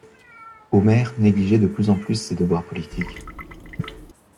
Omer négligeait de plus en plus ses devoirs politiques.